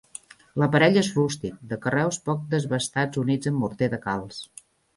L'aparell és rústic, de carreus poc desbastats units amb morter de calç.